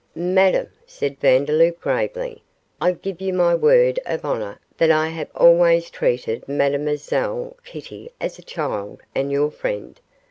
'Madame,' said Vandeloup, gravely, 'I give you my word of honour that I have always treated Mlle Kitty as a child and your friend.